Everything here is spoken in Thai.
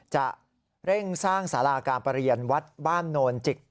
จะเร่งสร้างศาลากางเปรียรณวัดบ้านโนรศิกษ์